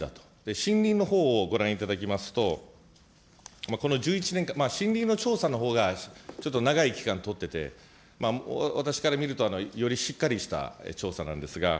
森林のほうをご覧いただきますと、この１１年間、森林の調査のほうが、ちょっと長い期間取ってて、私から見ると、よりしっかりした調査なんですが。